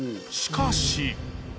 しかし。